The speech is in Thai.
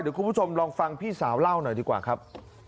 เดี๋ยวคุณผู้ชมลองฟังพี่สาวเล่าหน่อยดีกว่าครับ